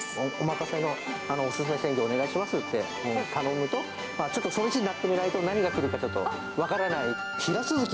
お勧め鮮魚をお願いしますって頼むと、ちょっとその日にならないと何が来るかちょっと分からない。